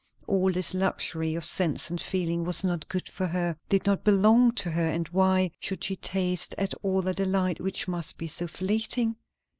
all this luxury of sense and feeling was not good for her; did not belong to her; and why should she taste at all a delight which must be so fleeting?